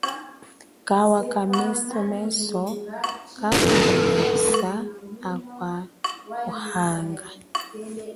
Kawa kamesomeso kajimbalisa akwa kuhanga.